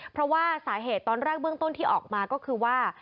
เพราะว่าสาเหตุตอนแรกเบื้องต้นที่ออกมาก็คือว่า